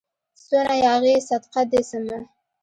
څونه ياغي يې صدقه دي سمه